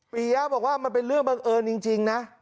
ปียะบอกว่ามันเป็นเรื่องบังเอิญจริงนะ